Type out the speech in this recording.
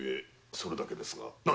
それだけです。